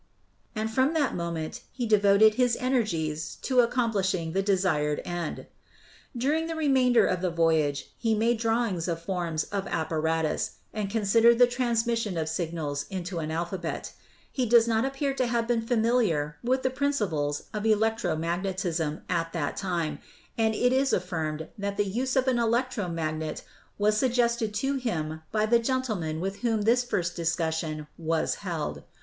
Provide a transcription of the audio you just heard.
And from that moment he devoted his energies to accomplishing the desired end. During the remainder of the voyage he made drawings of forms of apparatus and considered the transmission of signals into an alphabet. He does not appear to have been familiar with the principles of electro magnetism at ELECTRO MAGNETIC TELEGRAPH 299 that time, and it is affirmed that the use of an electro magnet was suggested to him by the gentleman with whom this first discussion was held.